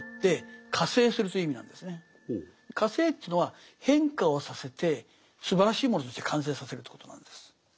化成というのは変化をさせてすばらしいものとして完成させるということなんです。